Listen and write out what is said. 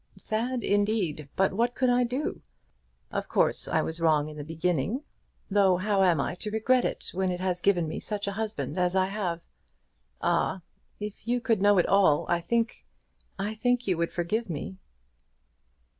"Sad indeed! But what could I do? Of course I was wrong in the beginning. Though how am I to regret it, when it has given me such a husband as I have? Ah! if you could know it all, I think, I think you would forgive me."